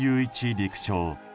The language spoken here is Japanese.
陸将。